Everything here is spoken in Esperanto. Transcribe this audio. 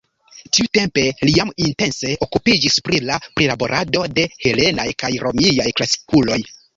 Tiutempe li jam intense okupiĝis pri la prilaborado de helenaj kaj romiaj klasikuloj.